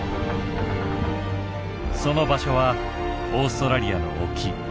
その場所はオーストラリアの沖。